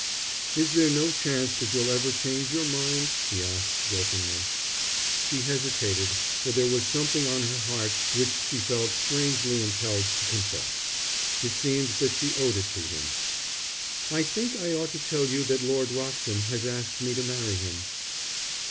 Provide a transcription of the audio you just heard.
"Is there no chance that you'll ever change your mind?" he asked, brokenly. She hesitated, for there was something on her heart which she felt strangely impelled to confess. It seemed that she owed it to him. "I think I ought to tell you that Lord Wroxham has asked me to marry him."